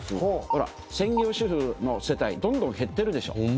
ほらっ専業主婦の世帯どんどん減ってるでしょ。